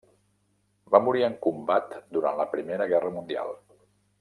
Va morir en combat durant la Primera Guerra Mundial.